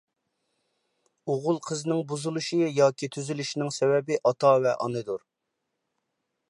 ئوغۇل قىزنىڭ بۇزۇلۇشى ياكى تۈزىلىشىنىڭ سەۋەبى ئاتا ۋە ئانىدۇر.